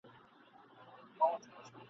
بیا به کله ور ړانده کړي غبرګ لېمه د غلیمانو !.